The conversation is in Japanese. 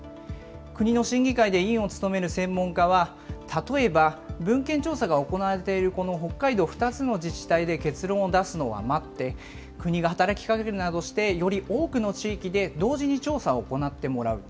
国の審議会で委員を務める専門家は、例えば文献調査が行われている北海道、２つの自治体で結論を出すのは待って、国が働きかけるなどして、より多くの地域で同時に調査を行ってもらう。